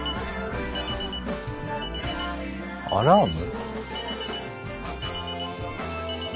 ・アラーム？